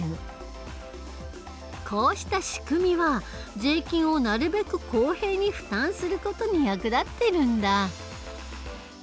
こうした仕組みは税金をなるべく公平に負担する事に役立ってるんだ。